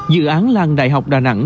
dự án làng đại học đà nẵng